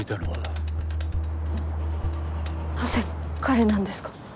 なぜ彼なんですか？